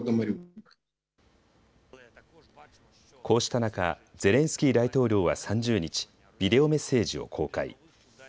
こうした中、ゼレンスキー大統領は３０日、ビデオメッセージを公開。